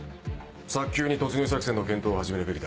早急に突入作戦の検討を始めるべきだ。